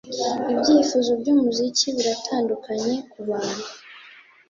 Ibyifuzo byumuziki biratandukanye kubantu